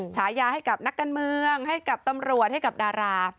ฉายาให้กับนักการเมืองให้กับตำรวจให้กับดารา